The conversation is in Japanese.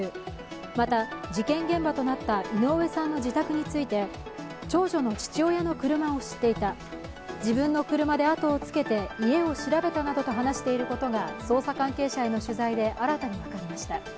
また、事件現場となった井上さんの自宅について長女の父親の車を知っていた自分の車で後をつけて家を調べたなどと話していることが捜査関係者への取材で新たに分かりました。